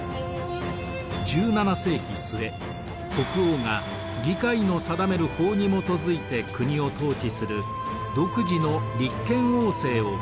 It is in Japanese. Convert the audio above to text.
１７世紀末国王が議会の定める法に基づいて国を統治する独自の立憲王政を確立。